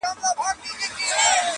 يو کال وروسته کلي بدل سوی,